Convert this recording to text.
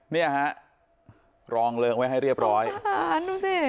เนี่ยฮะรองเริงไว้ให้เรียบร้อยหารดูสิ